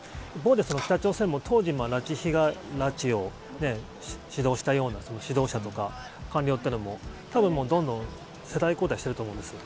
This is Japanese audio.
北朝鮮も当時、拉致を指導したようなその指導者とか官僚というのも、たぶんもうどんどん世代交代してると思うんですよ。